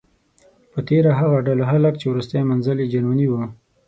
په تیره هغه ډله خلک چې وروستی منزل یې جرمني و.